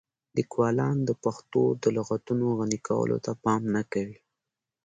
لیکوالان د پښتو د لغتونو غني کولو ته پام نه کوي.